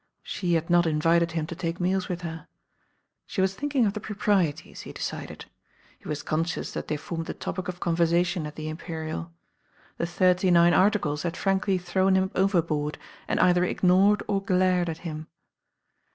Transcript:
She had not invited him to take meals with her. She was thinking of the proprieties, he decided. He was conscious that they formed the topic of conversation at the Imperial. The Thirty Nine Articles had frankly thrown him overboard, and either ignored or glared at him.